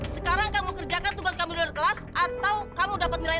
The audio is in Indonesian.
sekarang kamu kerjakan tugas kamu di luar kelas atau kamu dapat nilai